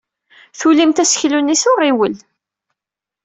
Tulimt aseklu-nni s uɣiwel.